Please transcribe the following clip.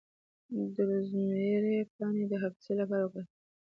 د روزمیری پاڼې د حافظې لپاره وکاروئ